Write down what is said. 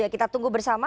kita tunggu bersama